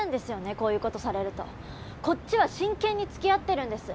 こういうことされるとこっちは真剣につきあってるんです